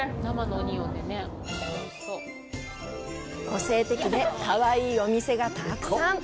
個性的でかわいいお店がたくさん。